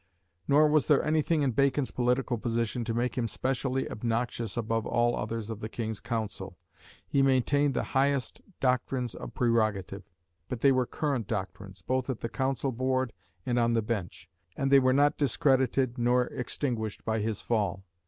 Nor was there anything in Bacon's political position to make him specially obnoxious above all others of the King's Council. He maintained the highest doctrines of prerogative; but they were current doctrines, both at the Council board and on the bench; and they were not discredited nor extinguished by his fall.